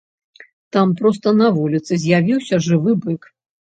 Там проста на вуліцы з'явіўся жывы бык.